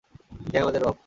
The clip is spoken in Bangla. হে আমাদের রব!